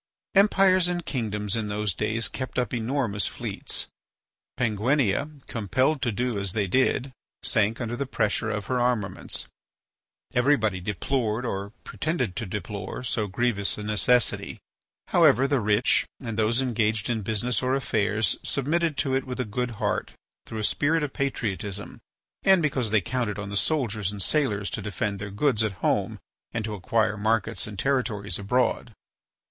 Empires and kingdoms in those days kept up enormous fleets. Penguinia, compelled to do as they did, sank under the pressure of her armaments. Everybody deplored or pretended to deplore so grievous a necessity. However, the rich, and those engaged in business or affairs, submitted to it with a good heart through a spirit of patriotism, and because they counted on the soldiers and sailors to defend their goods at home and to acquire markets and territories abroad.